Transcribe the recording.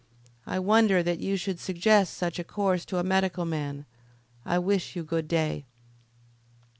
I wonder that you should suggest such a course to a medical man. I wish you good day."